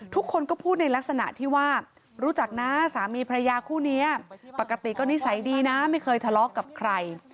ทุกคนก็พูดในลักษณะที่ว่ารู้จักนะสามีพระยาคู่นี้ปกติก็นิสัยดีนะไม่เคยทะเลาะกับใคร